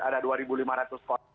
ada dua lima ratus kota